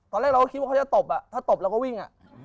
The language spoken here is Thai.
ตอนแรกเราก็คิดว่าเขาจะตบถ้าตบเราก็วิ่ง